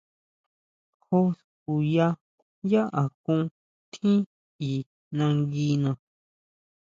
Jó skuya yá akón tjín i nanguina.